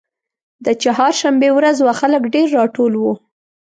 د چهارشنبې ورځ وه خلک ډېر راټول وو.